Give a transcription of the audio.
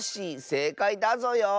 せいかいだぞよ。